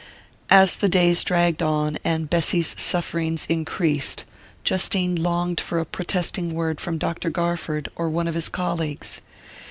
As the days dragged on, and Bessy's sufferings increased, Justine longed for a protesting word from Dr. Garford or one of his colleagues.